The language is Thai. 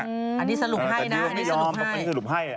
อันนี้สรุปให้นะไม่ยอมอันนี้สรุปให้